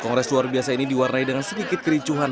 kongres luar biasa ini diwarnai dengan sedikit kericuhan